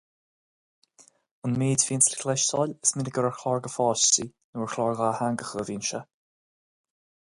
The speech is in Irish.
An méid a bhíonn le cloisteail is minic gur ar chláir do pháistí nó ar chláir dátheangach a bhíonn sé.